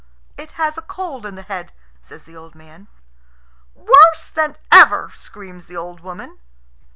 "It has a cold in the head," says the old man. "Worse than ever!" screams the old woman.